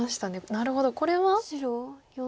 なるほどこれは。